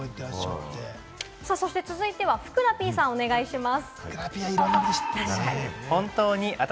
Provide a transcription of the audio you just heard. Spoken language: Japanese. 続いてふくらＰさん、お願いします。